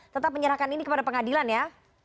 tetap menyerahkan ini kepada pengadilan ya